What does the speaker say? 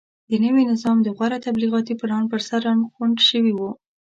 د نوي نظام د غوره تبلیغاتي پلان پرسر راغونډ شوي وو.